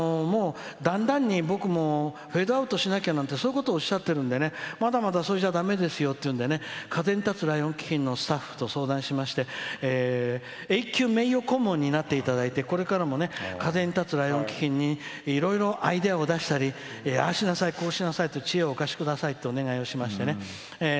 だんだんに、僕もフェードアウトしなきゃとそういうことおっしゃってるんでまだまだ、それじゃだめですよって風に立つライオン基金のスタッフと相談しまして永久名誉顧問になっていただいてこれからも風に立つライオン基金にいろいろアイデアを出したりああしなさい、こうしなさいって知恵をお貸しくださいとお願いしましてね